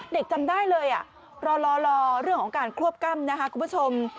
เด็กจำได้เลยอ่ะรอเรื่องของการควบกรรมนะคะคุณผู้ชม